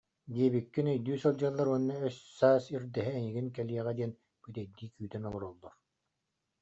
диэбиккин өйдүү сылдьаллар уонна өс-саас ирдэһэ эйигин кэлиэҕэ диэн бүтэйдии күүтэн олороллор